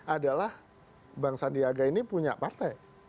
adalah bang sandiaga ini punya partai